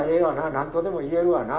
何とでも言えるわな』